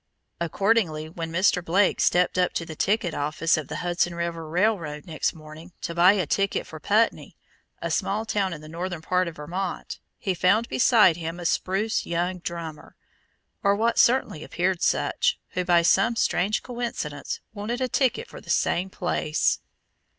Accordingly when Mr. Blake stepped up to the ticket office of the Hudson River Railroad next morning, to buy a ticket for Putney, a small town in the northern part of Vermont, he found beside him a spruce young drummer, or what certainly appeared such, who by some strange coincidence, wanted a ticket for the same place.